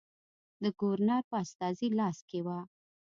د ګورنر په استازي لاس کې وه.